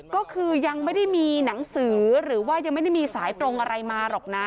ก็คือยังไม่ได้มีหนังสือหรือว่ายังไม่ได้มีสายตรงอะไรมาหรอกนะ